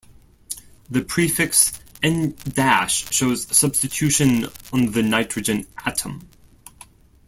The prefix "N"-" shows substitution on the nitrogen atom.